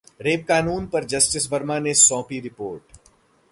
rape कानून पर Justice Verma ने सौंपी रिपोर्ट